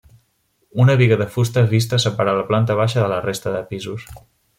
Una biga de fusta vista separa la planta baixa de la resta de pisos.